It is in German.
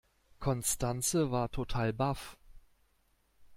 Constanze war total baff.